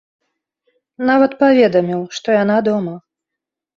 Нават паведаміў, што яна дома.